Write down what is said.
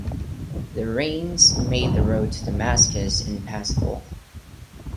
The rains made the road to Damascus impassable.